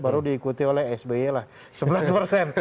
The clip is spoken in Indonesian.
baru diikuti oleh sby lah sebelas persen